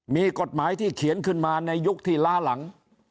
มีกฎหมายที่เขียนขึ้นมาในยุคที่ล้าหลัง